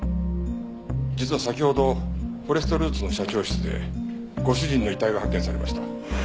実は先ほどフォレストルーツの社長室でご主人の遺体が発見されました。